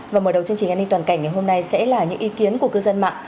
và mở đầu chương trình an ninh toàn cảnh ngày hôm nay sẽ là những ý kiến của cư dân mạng